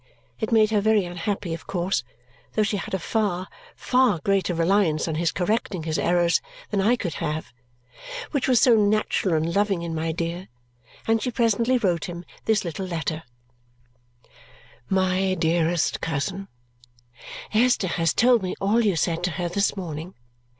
It made her very unhappy, of course, though she had a far, far greater reliance on his correcting his errors than I could have which was so natural and loving in my dear! and she presently wrote him this little letter: My dearest cousin, Esther has told me all you said to her this morning.